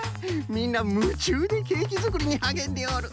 みんなむちゅうでケーキづくりにはげんでおる。